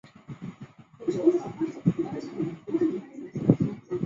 参见音高的相关讨论。